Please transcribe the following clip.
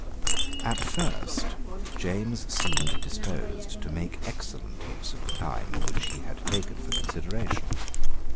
At first James seemed disposed to make excellent use of the time which he had taken for consideration.